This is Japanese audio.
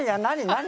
何？